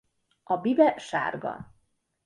A bibe sárga.